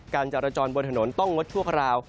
จรจรบนถนนต้องงดชั่วคราว